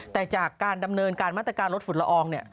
แต่จากการดำเนินการมาตรการลดฝุ่นละออง